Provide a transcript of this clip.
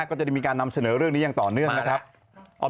ก็จะได้มีการนำเสนอเรื่องนี้อย่างต่อเนื่องนะครับ